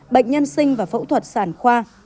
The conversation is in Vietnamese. bệnh nhân sinh và phẫu thuật sản khoa